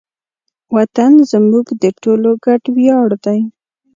وطن زموږ د ټولو ګډ ویاړ دی.